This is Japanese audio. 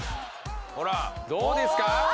ほらねっどうですか？